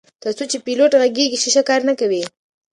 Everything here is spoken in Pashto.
تر څو چې پیلوټ غږیږي شیشه کار نه کوي.